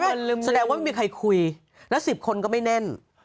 แสดงว่าไม่มีใครคุยแล้ว๑๐คนก็ไม่แน่น